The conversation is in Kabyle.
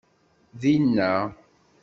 Dinna.